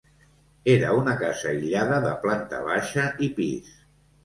Era una casa aïllada de planta baixa i pis.